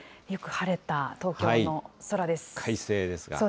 よく晴れた東京の空です。